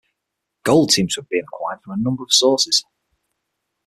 Gold seems to have been acquired from a number of sources.